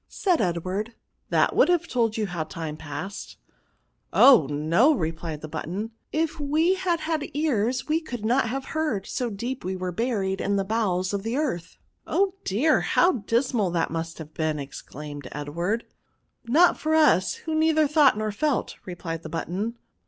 said Edward; "that would have told you how time passed." *^ Oh ! no, replied the button ;if we had had ears we could not hav'e heard, so PR0N0UN5. 173 deep were we buried in the bowels of the earth." " Oh dear I how dismal that must have been !" exdaimed Edward* " Not for us, who neither thought nor felt," replied the button.